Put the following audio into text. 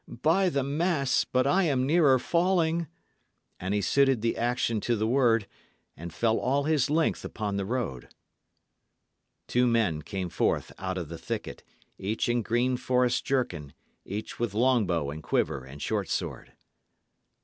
"By the mass, but I am nearer falling." And he suited the action to the word, and fell all his length upon the road. Two men came forth out of the thicket, each in green forest jerkin, each with long bow and quiver and short sword.